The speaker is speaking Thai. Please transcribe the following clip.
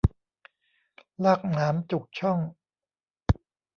ลากหนามจุกช่อง